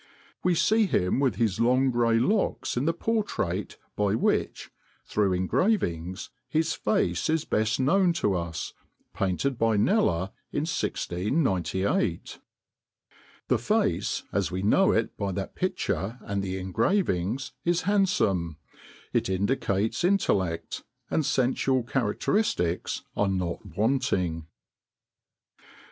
We see him with his long gray locks in the portrait by which, through engravings, his face is best known to us, painted by Kneller in 1698. The face, as we know it by that picture and the engravings, is handsome, it indicates intellect, and sensual characteristics are not wanting."